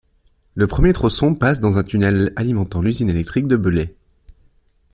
Le premier tronçon passe dans un tunnel alimentant l'usine électrique de Beulet.